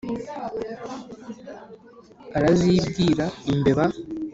arazibwira. imbeba